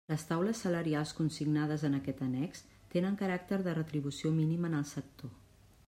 Les taules salarials consignades en aquest annex tenen caràcter de retribució mínima en el sector.